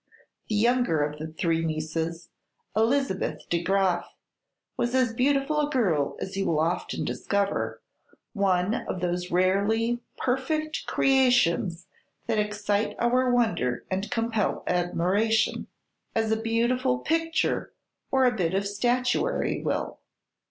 The younger of the three nieces, Elizabeth De Graf, was as beautiful a girl as you will often discover, one of those rarely perfect creations that excite our wonder and compel admiration as a beautiful picture or a bit of statuary will.